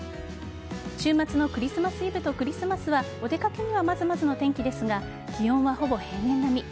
週末のクリスマスイブとクリスマスはお出かけにはまずまずの天気ですが気温はほぼ平年並み。